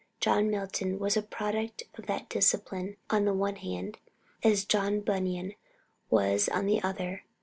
John Milton was a product of that discipline on the one hand, as John Bunyan was on the other.